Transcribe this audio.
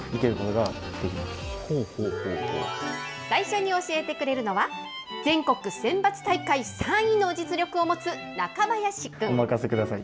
最初に教えてくれるのは、全国選抜大会３位の実力を持つ中林君。